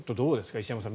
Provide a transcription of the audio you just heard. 石山さん。